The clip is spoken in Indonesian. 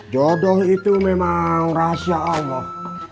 jodoh itu memang rahasia allah